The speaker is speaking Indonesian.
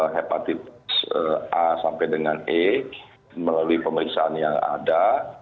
hepatitis a sampai dengan e melalui pemeriksaan yang ada